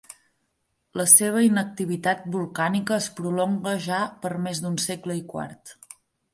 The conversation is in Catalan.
La seva inactivitat volcànica es prolonga ja per més d'un segle i quart.